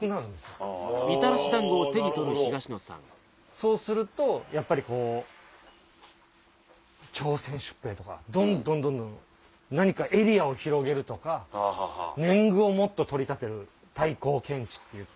そうするとやっぱりこう朝鮮出兵とかどんどんどんどん何かエリアを広げるとか年貢をもっと取り立てる太閤検地っていって。